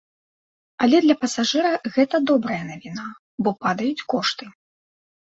Але для пасажыра гэта добрая навіна, бо падаюць кошты.